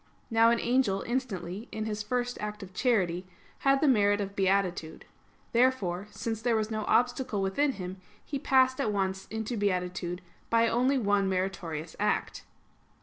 Now an angel instantly, in his first act of charity, had the merit of beatitude. Therefore, since there was no obstacle within him, he passed at once into beatitude by only one meritorious act.